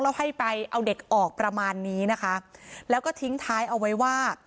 แล้วให้ไปเอาเด็กออกประมาณนี้นะคะแล้วก็ทิ้งท้ายเอาไว้ว่า